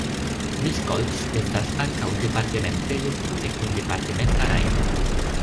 Miskolc estas ankaŭ departementejo kune kun departementa rajto.